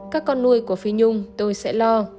các con nuôi của phi nhung tôi sẽ lo